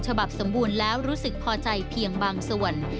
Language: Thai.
สมบูรณ์แล้วรู้สึกพอใจเพียงบางส่วน